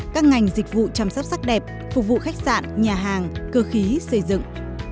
các ngành dịch vụ chăm sóc sắc đẹp phục vụ khách sạn nhà hàng cơ khí xây dựng